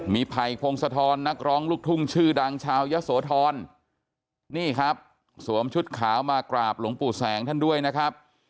มีไผ่พงศธรนักร้องลูกทุ่งชื่อดังชาวยะโสธรนี่ครับสวมชุดขาวมากราบหลวงปู่แสงท่านด้วยนะครับ